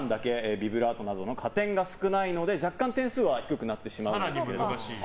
ビブラートなどの加点が少ないので若干点数は低くなってしまいます。